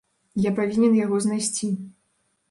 Я павінен яго знайсці.